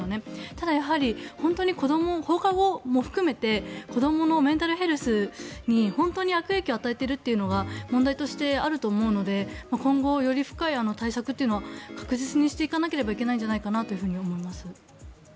ただ、やはり本当に子ども放課後も含めて子どものメンタルヘルスに本当に悪影響を与えているというのが問題としてあると思うので今後、より深い対策というのは確実にしていかなければいけないんじゃないかなと思います。